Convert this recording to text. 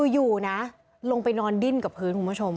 อยู่นะลงไปนอนดิ้นกับพื้นคุณผู้ชม